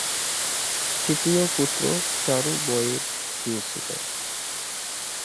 তৃতীয় পুত্র চারু বয়ে গিয়েছিল।